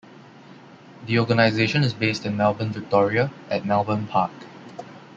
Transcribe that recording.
The organisation is based in Melbourne, Victoria, at Melbourne Park.